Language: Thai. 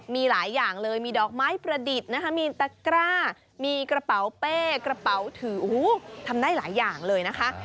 มีหลายอย่างเลยมีดอกไม้ประดิษฐ์นะคะมีตะกร้ามีกระเป๋าเป้กระเป๋าถือทำได้หลายอย่างเลยนะคะ